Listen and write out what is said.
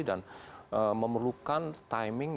dan memerlukan timing